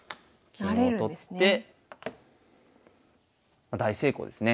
金を取って大成功ですね。